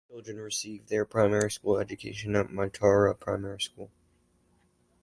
Children receive their primary school education at Mataura Primary School.